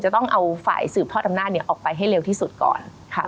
จะต้องเอาฝ่ายสืบทอดอำนาจออกไปให้เร็วที่สุดก่อนค่ะ